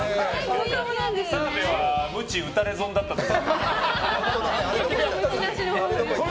澤部はムチ打たれ損だったね。